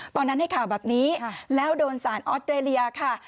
ตอนนั้นให้ข่าวแบบนี้แล้วโดนสารออสเตรเลียค่ะ